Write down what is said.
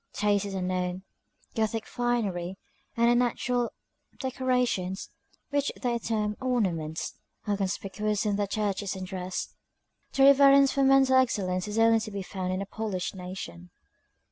Taste is unknown; Gothic finery, and unnatural decorations, which they term ornaments, are conspicuous in their churches and dress. Reverence for mental excellence is only to be found in a polished nation.